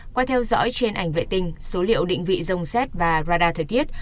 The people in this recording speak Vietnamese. qua theo dõi trên ảnh vệ tinh số liệu định vị rông xét và radar thời tiết